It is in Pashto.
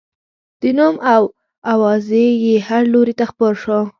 د نوم او اوازې یې هر لوري ته خپور شو.